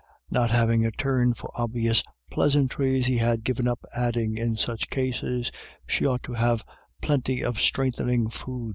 Not having a turn for obvious pleasantries, he had given up adding in such cases :" She ought to have plenty of strengthening food."